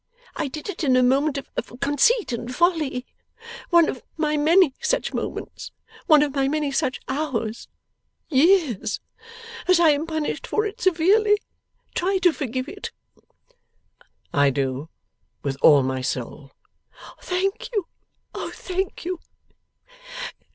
I did it in a moment of conceit and folly one of my many such moments one of my many such hours years. As I am punished for it severely, try to forgive it!' 'I do with all my soul.' 'Thank you. O thank you!